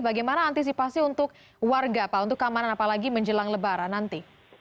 bagaimana antisipasi untuk warga pak untuk keamanan apalagi menjelang lebaran nanti